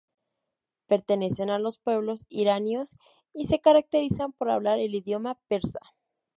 Pertenecen a los pueblos iranios y se caracterizan por hablar el idioma persa.